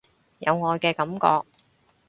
有愛嘅感覺